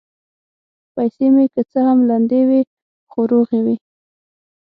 پیسې مې که څه هم لندې وې، خو روغې وې.